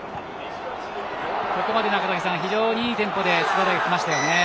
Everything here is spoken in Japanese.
ここまで非常にいいテンポで筑波大学は来ましたね。